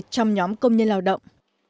trong nhóm công nhân lao động